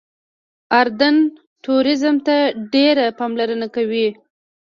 اردن ټوریزم ته ډېره پاملرنه کوي.